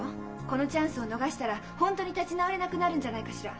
このチャンスを逃したら本当に立ち直れなくなるんじゃないかしら？